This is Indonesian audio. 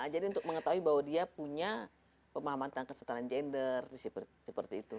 jadi untuk mengetahui bahwa dia punya pemahaman tentang kesetaraan gender seperti itu